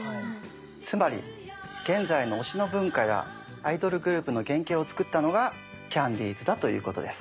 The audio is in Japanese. つまり現在の推しの文化やアイドルグループの原型を作ったのがキャンディーズだということです。